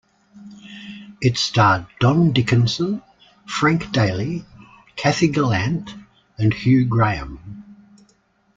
It starred Don Dickenson, Frank Daley, Kathy Gallant and Hugh Graham.